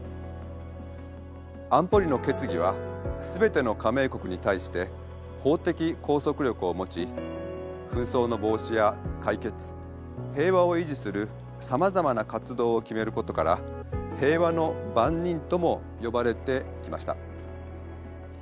安保理の決議は全ての加盟国に対して法的拘束力を持ち紛争の防止や解決平和を維持するさまざまな活動を決めることから「平和の番人」とも呼ばれてきました。